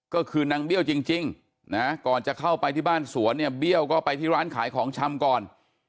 ก็คือนางเบี้ยวจริงนะก่อนจะเข้าไปที่บ้านสวนเนี่ยเบี้ยวก็ไปที่ร้านขายของชำก่อน